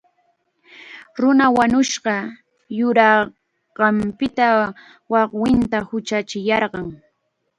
Nuna wañushqa yurinqanpita wawqiita huchachiyarqan.